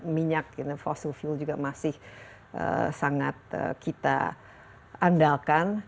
minyak fossil fuel juga masih sangat kita andalkan